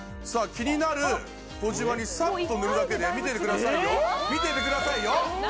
気になる小じわにサッと塗るだけで見ててください見ててくださいよ！